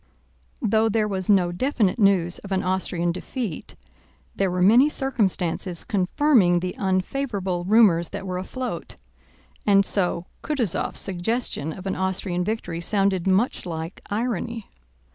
Though there was no definite news of an Austrian defeat, there were many circumstances confirming the unfavorable rumors that were afloat, and so Kutúzov's suggestion of an Austrian victory sounded much like irony.